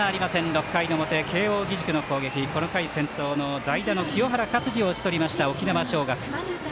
６回の表、慶応義塾の攻撃この回、先頭の代打の清原勝児を打ち取りました、沖縄尚学。